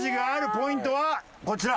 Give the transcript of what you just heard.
ポイントはこちら。